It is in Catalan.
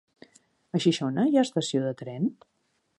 A Xixona hi ha estació de tren?